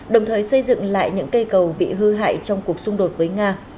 đồng thời xây dựng lại những cây cầu bị hư hại trong cuộc xung đột với nga